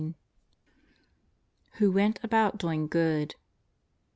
" WHO WENT ABOUT DOING GOOD.'